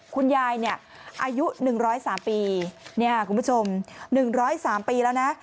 คุณยายอายุ๑๐๓ปีนี่คุณผู้ชม๑๐๓ปีแล้วนะ